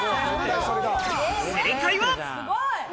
正解は。